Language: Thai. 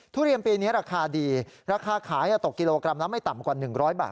ทุเรียนปีนี้ราคาดีราคาขายตกกิโลกรัมละไม่ต่ำกว่า๑๐๐บาท